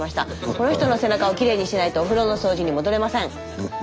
この人の背中をきれいにしないとお風呂の掃除に戻れません。